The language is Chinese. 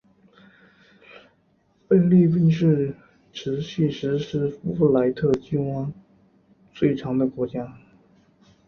菲律宾是持续实施福布莱特计划最长的国家。